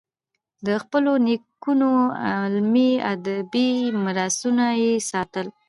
د خپلو نیکونو علمي، ادبي میراثونه یې ساتل.